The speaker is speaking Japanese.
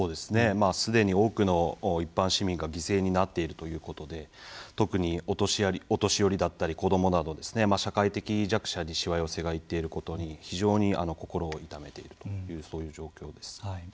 すでに多くの一般市民が犠牲になっているということで特に、お年寄りだったり子どもなど社会的弱者にしわ寄せが行っていることに非常に心を痛めているというそういう状況です。